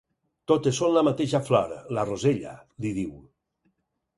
Totes són la mateixa flor, la rosella —li diu.